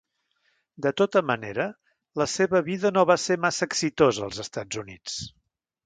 De tota manera, la seva vida no va ser massa exitosa als Estats Units.